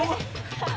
kamu juga gak suka